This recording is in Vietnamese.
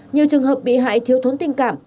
nhiều trường hợp bị hại thiếu thốn tình cảm